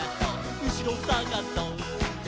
うしろさがそっ！」